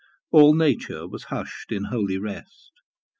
All nature was hushed in holy rest.